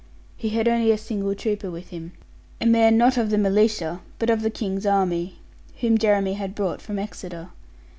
He had only a single trooper with him, a man not of the militia but of the King's army, whom Jeremy had brought from Exeter.